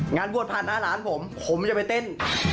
งานบวชผ่านหน้าร้านผมผมจะไปเต้น